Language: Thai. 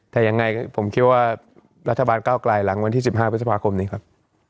แต่ยังไงผมคิดว่ารัฐบาลก้าวไกลหลังวันที่๑๕พฤษภาคมนี้ครับ